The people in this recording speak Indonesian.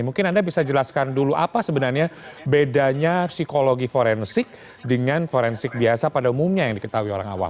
mungkin anda bisa jelaskan dulu apa sebenarnya bedanya psikologi forensik dengan forensik biasa pada umumnya yang diketahui orang awam